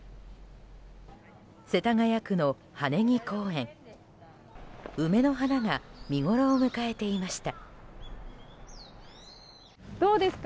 世田谷区の羽根木公園、梅の花が見ごろを迎えていました。